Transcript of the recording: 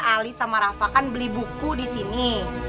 ali sama rafa kan beli buku disini